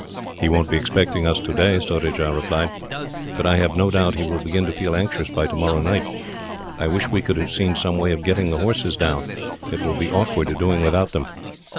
"He won't be expecting us today," Surajah replied, "but I have no doubt he will begin to feel anxious by tomorrow night. I wish we could have seen some way of getting the horses down. It will be awkward doing without them."